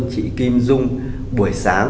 chị kim dung buổi sáng